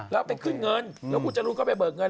แล้วไปขึ้นเงินแล้วคุณจรูนก็ไปเบิกเงิน